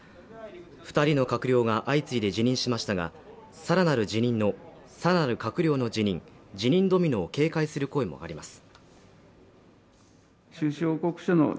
二人の閣僚が相次いで辞任しましたがさらなる閣僚の辞任ドミノを警戒する声も上がります